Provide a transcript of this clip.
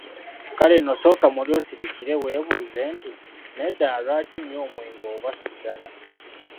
Kale nno sooka muli osiriikirire weebuuze nti, "Naye ddala lwaki nywa omwenge oba sigala?